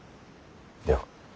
では。